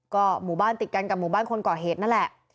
ก็หมู่บ้านติดกันกับหมู่บ้านคนก่อเหตุนั่นแหละ